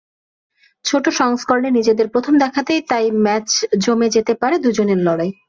ছোট সংস্করণে নিজেদের প্রথম দেখাতেই তাই ম্যাচ জমে যেতে পারে দুজনের লড়াই।